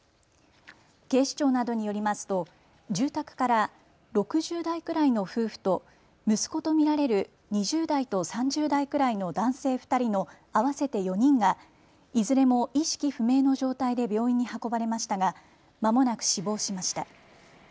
警視庁などによりますと住宅から６０代くらいの夫婦と息子と見られる２０代と３０代くらいの男性２人の合わせて４人がいずれも意識不明の状態で病院に運ばれましたがまもなく死亡しました。